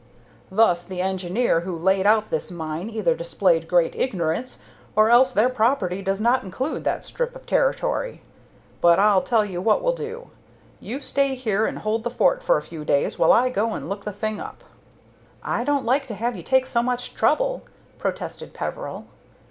Thus the engineer who laid out this mine either displayed great ignorance, or else your property does not include that strip of territory. But I'll tell you what we'll do. You stay here and hold the fort for a few days while I go and look the thing up." "I don't like to have you take so much trouble," protested Peveril.